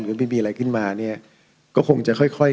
หรือไม่มีอะไรขึ้นมาเนี่ยก็คงจะค่อย